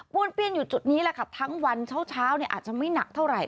้วนเปี้ยนอยู่จุดนี้แหละค่ะทั้งวันเช้าอาจจะไม่หนักเท่าไหร